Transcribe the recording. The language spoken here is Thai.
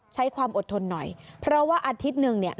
ใช้ความอดทนหน่อยเพราะว่าอาทิตย์หนึ่งเนี่ย